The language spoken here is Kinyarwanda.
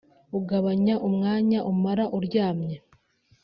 ugabanya umwanya umara uryamye